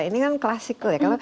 ini kan klasik ya